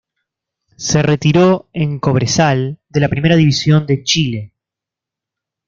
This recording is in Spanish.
Se retiró en Cobresal de la Primera División de Chile.